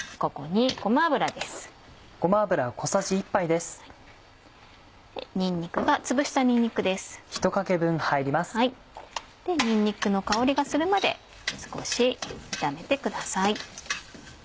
にんにくの香りがするまで少し炒めてください。